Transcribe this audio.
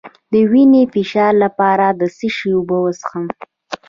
د وینې د فشار لپاره د څه شي اوبه وڅښم؟